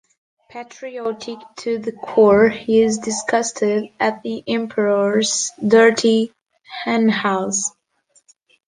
Patriotic to the core, he is disgusted at the Emperor's "dirty henhouse".